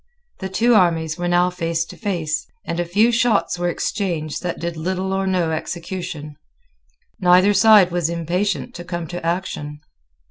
The two armies were now face to face; and a few shots were exchanged that did little or no execution. Neither side was impatient to come to action.